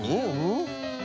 うん。